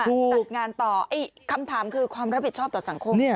จัดงานต่อคำถามคือความรับผิดชอบต่อสังคม